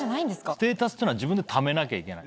ステータスってのは自分で貯めなきゃいけない。